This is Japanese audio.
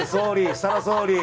設楽総理。